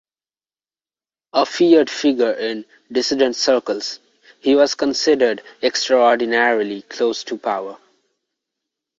A feared figure in dissident circles, he was considered extraordinarily close to power.